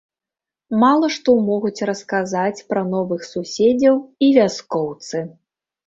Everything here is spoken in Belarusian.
Мала што могуць расказаць пра новых суседзяў і вяскоўцы.